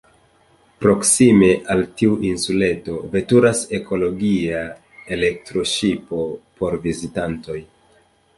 Proksime al tiu insuleto veturas ekologia elektroŝipo por vizitantoj.